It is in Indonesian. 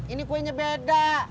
ini kuenya beda